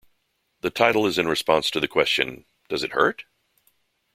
The title is in response to the question, Does it hurt?